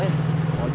iya sepi aja